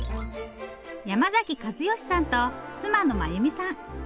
山崎和善さんと妻の真由美さん。